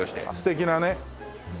素敵なね。